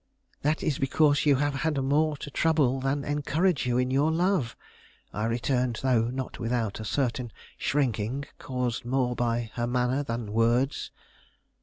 "That is because you have had more to trouble than encourage you in your love," I returned, though not without a certain shrinking, caused more by her manner than words.